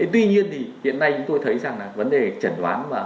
tuy nhiên thì hiện nay chúng tôi thấy rằng là vấn đề chẩn đoán